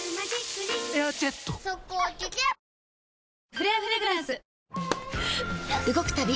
「フレアフレグランス」よし！